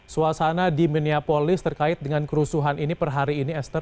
suasana di minneapolis terkait dengan kerusuhan ini per hari ini esther